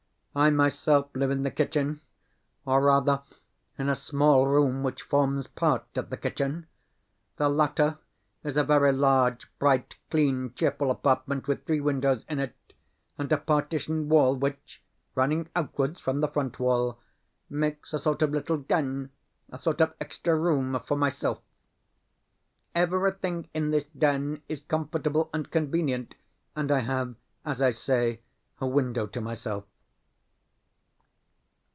I myself live in the kitchen or, rather, in a small room which forms part of the kitchen. The latter is a very large, bright, clean, cheerful apartment with three windows in it, and a partition wall which, running outwards from the front wall, makes a sort of little den, a sort of extra room, for myself. Everything in this den is comfortable and convenient, and I have, as I say, a window to myself.